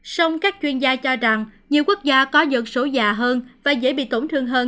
song các chuyên gia cho rằng nhiều quốc gia có dân số già hơn và dễ bị tổn thương hơn